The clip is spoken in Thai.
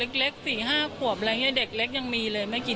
พูดสิทธิ์ข่าวธรรมดาทีวีรายงานสดจากโรงพยาบาลพระนครศรีอยุธยาครับ